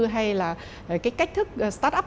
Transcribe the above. hay là cái cách thức start up